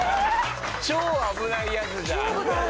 超危ないやつじゃん。